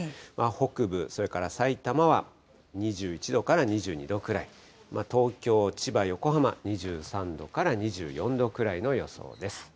北部、それからさいたまは２１度から２２度くらい、東京、千葉、横浜、２３度から２４度くらいの予想です。